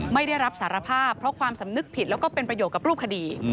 ไม่ได้รับสารภาพเพราะความสำนึกผิดแล้วก็เป็นประโยชน์กับรูปคดี